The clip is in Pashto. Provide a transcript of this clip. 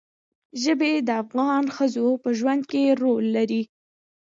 ژبې د افغان ښځو په ژوند کې رول لري.